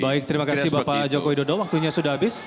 baik terima kasih bapak jokowi dodo waktunya sudah habis